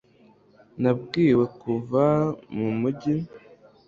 Nabwiwe kuva mu mujyi